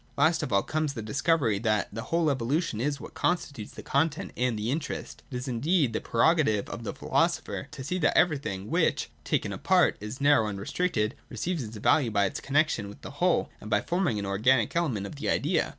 Last of all comes the discovery that the whole evolution is what constitutes the content and the interest. It is indeed the prerogative of the philosopher to see that everything, which, taken apart, is narrow and restricted, receives its value by its connection ^ with the whole, and by forming an organic element of the idea.